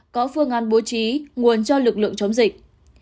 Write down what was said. có phương án bố trí nguồn cho lực lượng chống dịch